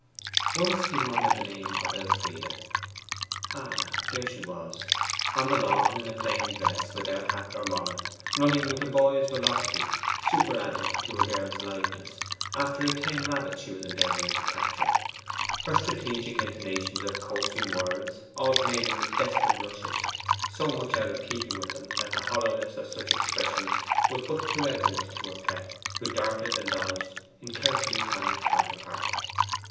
Once he murmured the name of Elfride. Ah, there she was! On the lawn in a plain dress, without hat or bonnet, running with a boy's velocity, superadded to a girl's lightness, after a tame rabbit she was endeavouring to capture, her strategic intonations of coaxing words alternating with desperate rushes so much out of keeping with them, that the hollowness of such expressions was but too evident to her pet, who darted and dodged in carefully timed counterpart.